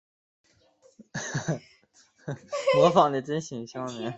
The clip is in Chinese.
同治十年任直隶布政使。